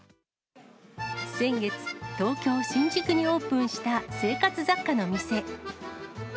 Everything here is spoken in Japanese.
先月、東京・新宿にオープンした生活雑貨の店。